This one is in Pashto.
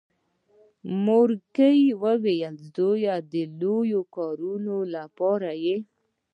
مورکۍ ویل زويه د لويو کارونو لپاره یې.